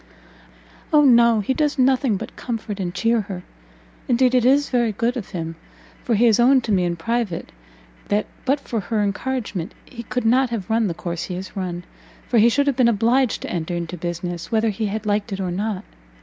"O no! he does nothing but comfort and cheer her! and indeed it is very good of him, for he has owned to me in private, that but for her encouragement, he could not have run the course he has run, for he should have been obliged to enter into business, whether he had liked it or not.